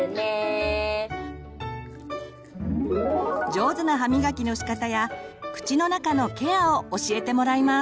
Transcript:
上手な歯みがきのしかたや口の中のケアを教えてもらいます。